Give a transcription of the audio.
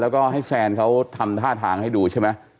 แล้วก็ให้แซนเขาทำท่าทางให้ดูใช่ไหม